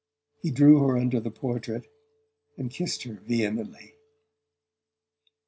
He drew her under the portrait and kissed her vehemently.